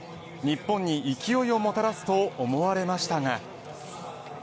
日本に勢いをもたらすと思われましたが。